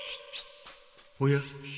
おや？